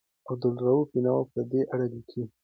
عبدالرؤف بېنوا په دې اړه لیکي.